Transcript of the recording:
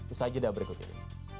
usah jeda berikut ini